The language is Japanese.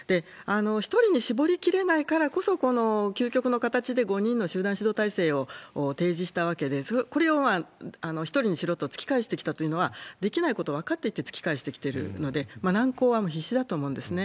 １人に絞り切れないこそこの究極の形で５人の集団指導体制を提示したわけで、これを１人にしろと突き返してきたのはできないこと分かっていて突き返してきているので、難航は必至だと思うんですね。